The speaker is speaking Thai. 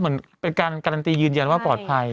เหมือนเป็นการการันตียืนยันว่าปลอดภัย